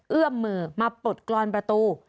เอื้อมมือมาปลดกรอนประตู